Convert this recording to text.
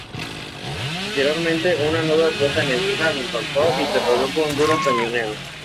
Posteriormente una nueva flota enemiga lo encontró y se produjo un duro cañoneo.